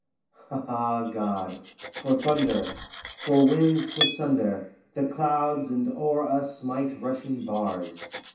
Ah, God! for thunder! for winds to sunder The clouds and o'er us smite rushing bars!